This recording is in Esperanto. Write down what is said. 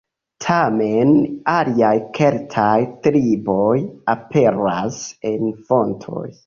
Tamen aliaj keltaj triboj aperas en fontoj.